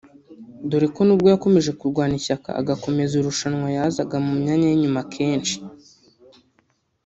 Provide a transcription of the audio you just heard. dore ko nubwo yakomeje kurwana ishyaka agakomeza irushanwa yazaga mu myanya y’inyuma akenshi